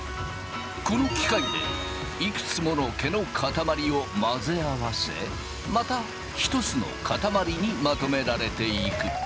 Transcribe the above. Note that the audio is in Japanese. この機械でいくつもの毛の塊を混ぜ合わせまた１つの塊にまとめられていく。